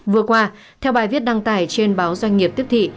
vừa qua theo bài viết đăng tải trên báo doanh nghiệp tiếp thị